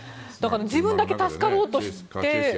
自分だけ助かろうとして。